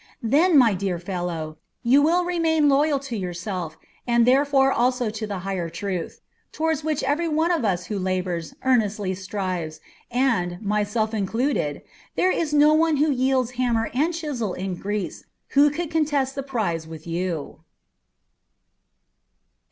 Then, my dear fellow, you will remain loyal to yourself, and therefore also to the higher truth, toward which every one of us who labours earnestly strives, and, myself included, there is no one who wields hammer and chisel in Greece who could contest the prize with you."